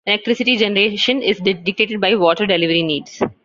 Electricity generation is dictated by water delivery needs.